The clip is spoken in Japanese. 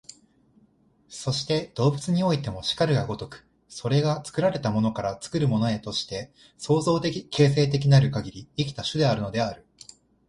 そして動物においても然るが如く、それが作られたものから作るものへとして、創造的形成的なるかぎり生きた種であるのである。